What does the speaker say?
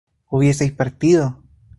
hubieseis partido